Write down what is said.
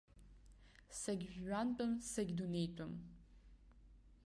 Сагьжәҩантәым, сагьдунеитәым.